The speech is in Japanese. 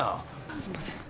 すんません。